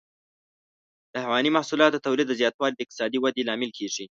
د حيواني محصولاتو د تولید زیاتوالی د اقتصادي ودې لامل کېږي.